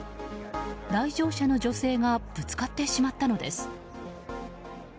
来場者の女性がぶつかってしまったのです。